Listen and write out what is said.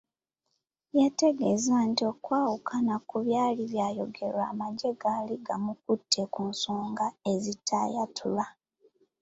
Yategeeza nti okwawukana ku byali byogerwa, amagye gaali gamukutte kunsonga ezitaayatulwa.